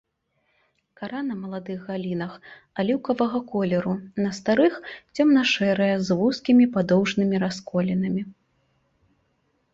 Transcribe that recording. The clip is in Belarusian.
Кара на маладых галінах аліўкавага колеру, на старых цёмна-шэрая з вузкімі падоўжнымі расколінамі.